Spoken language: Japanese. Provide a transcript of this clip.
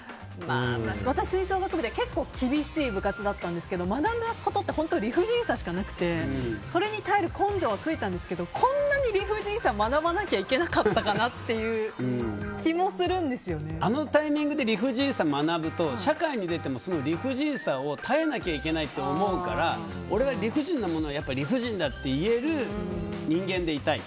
私、吹奏楽部で結構厳しい部活だったんですけど学んだことって本当に理不尽さしかなくてそれに耐える根性はついたんですけどこんなに理不尽さを学ばなきゃいけなかったかなってあのタイミングで理不尽さを学ぶと社会に出ても理不尽さを耐えなきゃいけないって思うから、俺は理不尽なものは理不尽だって言える人間でいたい。